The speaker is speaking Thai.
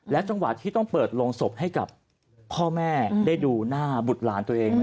จังหวะที่ต้องเปิดโรงศพให้กับพ่อแม่ได้ดูหน้าบุตรหลานตัวเอง